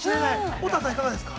乙葉さん、いかがですか。